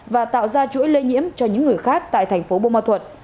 và tạo ra chuỗi lây nhiễm cho những người khác tại thành phố bô ma thuật